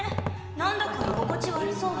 何だか居心地悪そう。